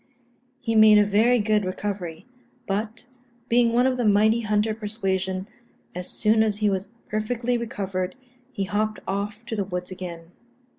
He made a very good recovery; but, being one of the mighty hunter persuasion, as soon as he was perfectly recovered, he hopped off to the woods again.